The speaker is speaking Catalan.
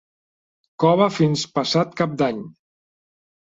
Cova fins passat Cap d'Any.